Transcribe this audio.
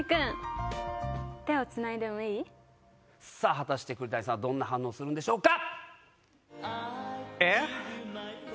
果たして栗谷さんどんな反応するんでしょうか？